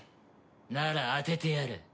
なら当ててやる。